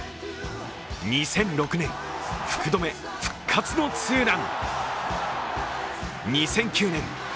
２００６年、福留、復活のツーラン。